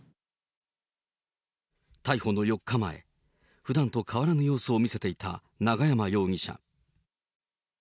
逮捕の４日前、ふだんと変わらぬ様子を見せていた永山容疑者。